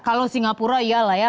kalau singapura iyalah ya